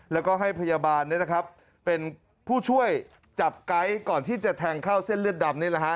แล้วก็ให้พยาบาลเป็นผู้ช่วยจับไก๊ก่อนที่จะแทงเข้าเส้นเลือดดำนี่แหละฮะ